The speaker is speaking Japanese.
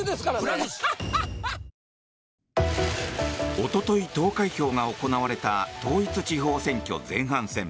おととい投開票が行われた統一地方選挙前半戦。